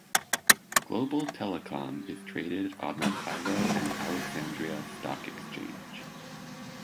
Global Telecom is traded on the Cairo and Alexandria Stock Exchange.